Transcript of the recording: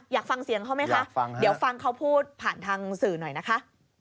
อยากฟังเสียงเขาไหมคะเดี๋ยวฟังเขาพูดผ่านทางสื่อหน่อยนะคะ